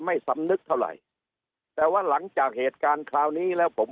สำนึกเท่าไหร่แต่ว่าหลังจากเหตุการณ์คราวนี้แล้วผม